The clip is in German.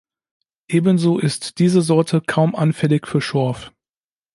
Ebenso ist diese Sorte kaum anfällig für Schorf.